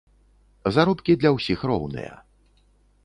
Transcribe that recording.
Заробкі для ўсіх роўныя.